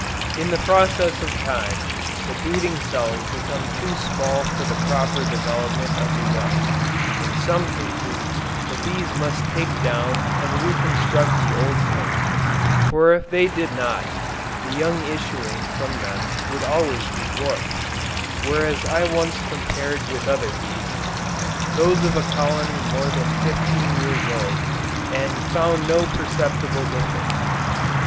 In process of time, the breeding cells become too small for the proper development of the young. In some cases, the bees must take down and reconstruct the old combs, for if they did not, the young issuing from them would always be dwarfs; whereas I once compared with other bees, those of a colony more than fifteen years old, and found no perceptible difference.